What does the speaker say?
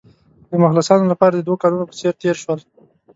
د مخلصانو لپاره د دوو کلونو په څېر تېر شول.